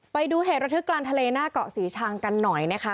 ไปดูเหตุระทึกกลางทะเลหน้าเกาะศรีชังกันหน่อยนะคะ